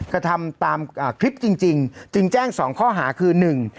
กระทำตามคลิปจริงจริงจึงแจ้งสองข้อหาคือหนึ่ง